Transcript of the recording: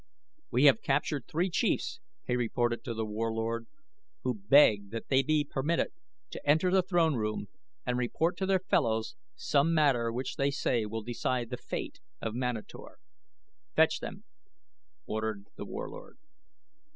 "We have captured three chiefs," he reported to The Warlord, "who beg that they be permitted to enter the throne room and report to their fellows some matter which they say will decide the fate of Manator." "Fetch them," ordered The Warlord.